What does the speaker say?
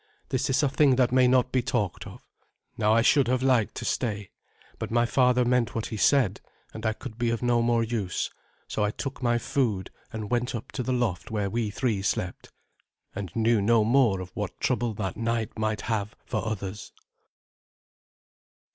This is a thing that may not be talked of." Now I should have liked to stay, but my father meant what he said, and I could be of no more use; so I took my food, and went up to the loft where we three slept, and knew no more of what trouble that night might have for others.